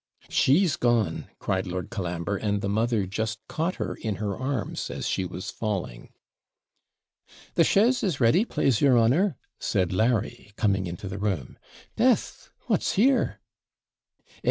'She's gone!' cried Lord Colambre, and the mother just caught her in her arms as she was falling. 'The chaise is ready, PLASE your honour,' said Larry, coming into the room. 'Death! what's here?' 'Air!